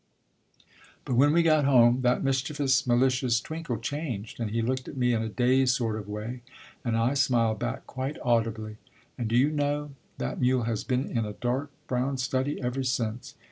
But when we got home, that mischievous, malicious twinkle changed, and he looked at me in a dazed sort of way and I smiled back quite audibly. And do you know, that mule has been in a dark brown study ever since.